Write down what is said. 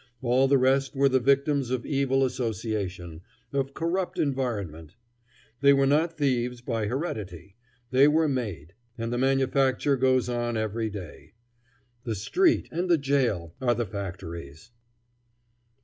All the rest were the victims of evil association, of corrupt environment. They were not thieves by heredity; they were made. And the manufacture goes on every day. The street and the jail are the factories."